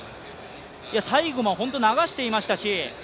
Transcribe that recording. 最後も本当、流していましたし。